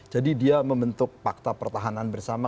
jadi dia membentuk fakta pertahanan bersama